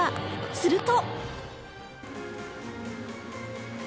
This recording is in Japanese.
すると。